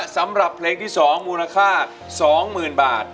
สับสนโอนละมาน